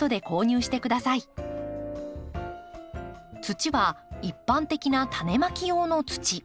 土は一般的なタネまき用の土。